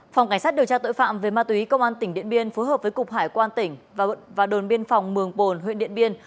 phòng cảnh sát điều tra tội phạm về ma túy công an tỉnh điện biên phối hợp với cục hải quan tỉnh và đồn biên phòng mường bồn huyện điện biên